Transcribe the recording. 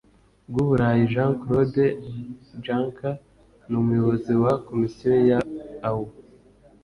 bw u burayi jean claude juncker n umuyobozi wa komisiyo ya au